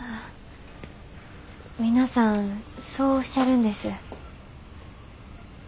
皆さんそうおっしゃるんです。